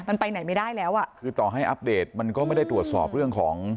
มันไปไหนไม่ได้แล้วอ่ะคือต่อให้อัปเดตมันก็ไม่ได้ตรวจสอบเรื่องของ